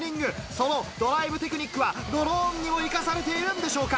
そのドライブテクニックはドローンにも生かされているんでしょうか。